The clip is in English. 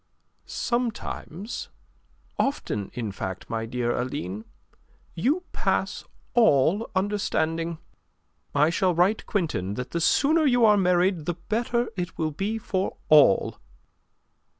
"Sometimes often, in fact, my dear Aline you pass all understanding. I shall write to Quintin that the sooner you are married the better it will be for all."